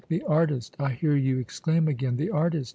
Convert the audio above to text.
'The artist!' I hear you exclaim again, 'the artist!